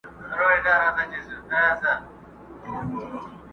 چي مُلا دي راته لولي زه سلګی درته وهمه!